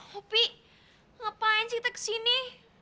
hopi ngapain kita kesini